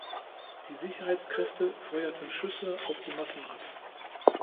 Die Sicherheitskräfte feuerten Schüsse auf die Massen ab.